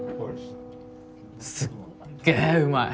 すっげーうまい！